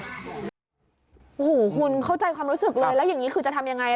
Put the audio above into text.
โอ้โหคุณเข้าใจความรู้สึกเลยแล้วอย่างนี้คือจะทำยังไง